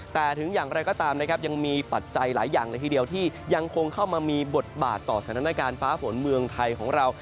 แต่ถึงอย่างไรก็ตามนะครับยังมีปัจจัยหลายอย่างเลยทีเดียวที่ยังคงเข้ามามีบทบาทต่อสถานการณ์ฟ้าฝนเมืองไทยของเรา